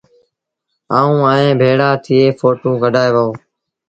آئو ائيٚݩ ڀيڙآ ٿئي ڦوٽو ڪڍآئي وهو۔